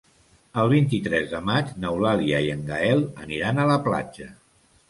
El vint-i-tres de maig n'Eulàlia i en Gaël aniran a la platja.